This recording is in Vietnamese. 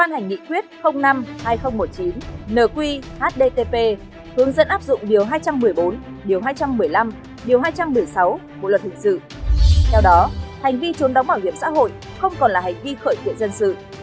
hành vi trốn đóng bảo hiểm xã hội không còn là hành vi khởi quyền dân sự